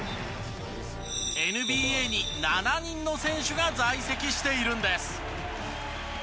ＮＢＡに７人の選手が在籍しているんです。